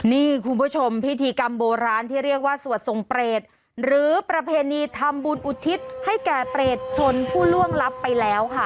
นี่คุณผู้ชมพิธีกรรมโบราณที่เรียกว่าสวดทรงเปรตหรือประเพณีทำบุญอุทิศให้แก่เปรตชนผู้ล่วงลับไปแล้วค่ะ